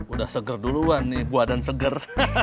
udah seger duluan nih buatan seger